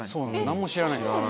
何も知らないです。